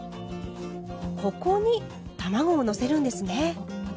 ここに卵をのせるんですね。